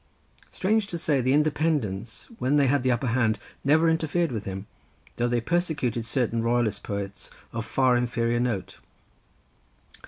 Strange to say the Independents, when they had the upper hand, never interfered with him, though they persecuted certain Royalist poets of far inferior note.